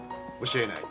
教えない。